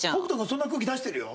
そんな空気出してるよ。